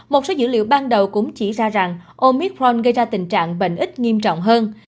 một số dữ liệu ban đầu cũng chỉ ra rằng omic fron gây ra tình trạng bệnh ít nghiêm trọng hơn